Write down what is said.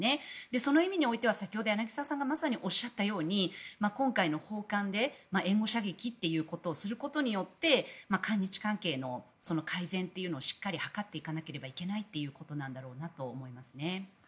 その意味においては先ほど、柳澤さんがまさにおっしゃったように今回の訪韓で援護射撃をすることによって韓日関係の改善というのをしっかり図っていかなければいけないということなんだろうなと思いますね。